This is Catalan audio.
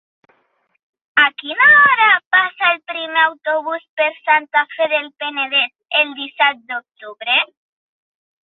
A quina hora passa el primer autobús per Santa Fe del Penedès el disset d'octubre?